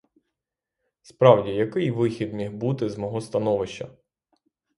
Справді, який вихід міг бути з мого становища?